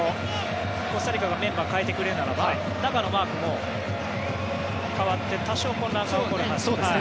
コスタリカがメンバーを代えてくれるならば中のマークも変わって多少混乱すると思います。